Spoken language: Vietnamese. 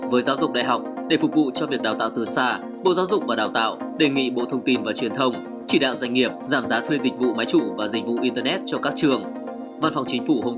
với giáo dục đại học để phục vụ cho việc đào tạo từ xa bộ giáo dục và đào tạo đề nghị bộ thông tin và truyền thông chỉ đạo doanh nghiệp giảm giá thuê dịch vụ máy chủ và dịch vụ internet cho các trường